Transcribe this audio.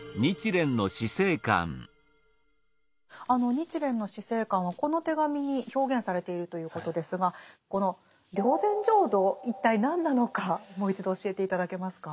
日蓮の死生観はこの手紙に表現されているということですがこの霊山浄土一体何なのかもう一度教えて頂けますか？